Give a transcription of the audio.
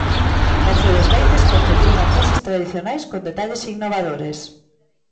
Mercedes Veites confecciona traxes tradicionais con detalles innovadores.